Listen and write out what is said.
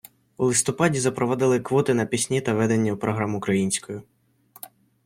У листопаді запровадили квоти на пісні та ведення програм українською.